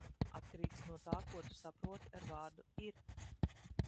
Atkarīgs no tā, ko tu saproti ar vārdu "ir".